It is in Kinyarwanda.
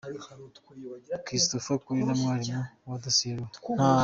Christopher Kule na mwarimu we Dasiel Raul.